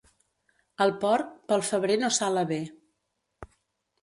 El porc, pel febrer no sala bé.